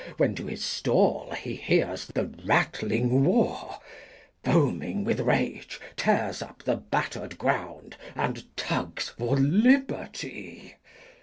When to the Stall he hears the ratling War, Foaming with Rage, tears up the batter'd Ground, And tugs for Liberty.